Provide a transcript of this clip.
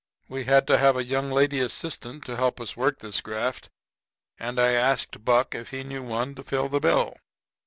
We had to have a young lady assistant to help us work this graft; and I asked Buck if he knew of one to fill the bill.